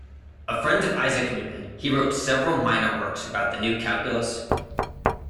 A friend of Isaac Newton, he wrote several minor works about the new calculus.